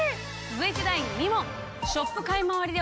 続いて第２問！